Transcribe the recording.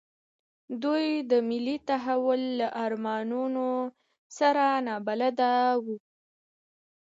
دوی د ملي تحول له ارمانونو سره نابلده وو.